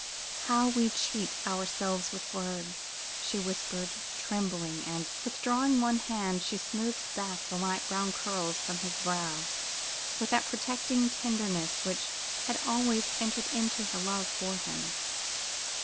"How we cheat ourselves with words!" she whispered, trembling, and, withdrawing one hand, she smoothed back the light brown curls from his brow with that protecting tenderness which had always entered into her love for him.